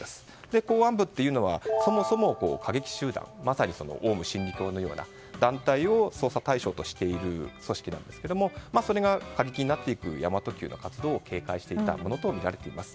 公安部はそもそも過激集団まさにオウム真理教のような団体を捜査対象としている組織でさすが過激になっている神真都Ｑの活動を警戒していたとみられています。